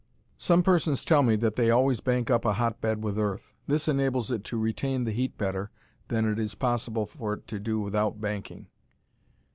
Some persons tell me that they always bank up a hotbed with earth. This enables it to retain the heat better than it is possible for it to do without banking.